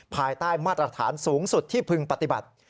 ภายใต้มาตรฐานสูงสุดที่พึงปฏิบัติ